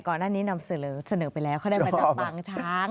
ก่อนหน้านี้นำเสนอไปแล้วเขาได้มาจากปางช้าง